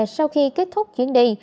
sau khi kết thúc chuyến đi